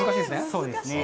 そうですね。